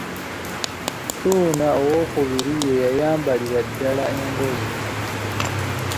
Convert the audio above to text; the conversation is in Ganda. Ssuuna II ye yayambalira ddala engoye.